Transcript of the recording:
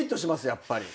やっぱり。